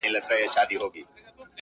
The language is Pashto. • یار راوړی له سپوږمۍ ګل د سوما دی,